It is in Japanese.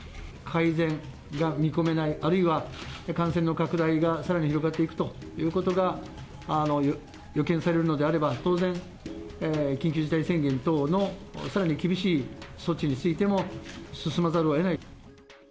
改善が見込めない、あるいは感染の拡大がさらに広がっていくということが予見されるのであれば、当然、緊急事態宣言等のさらに厳しい措置についても進まざるをえない。